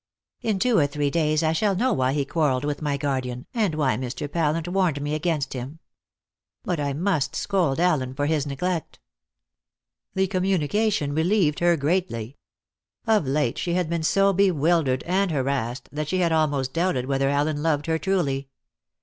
"In two or three days I shall know why he quarrelled with my guardian, and why Mr. Pallant warned me against him. But I must scold Allen for his neglect." The communication relieved her greatly. Of late she had been so bewildered and harassed that she had almost doubted whether Allen loved her truly.